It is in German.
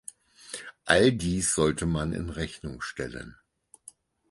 All dies sollte man in Rechnung stellen.